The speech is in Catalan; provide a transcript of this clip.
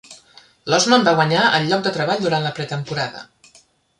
Losman va guanyar el lloc de treball durant la pretemporada.